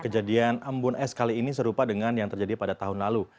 kejadian embun es kali ini serupa dengan yang terjadi pada tahun lalu